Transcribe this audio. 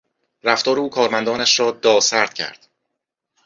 رفتار او کارمندانش را داسرد کرد.